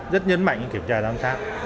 rất nhấn mạnh kiểm tra giám sát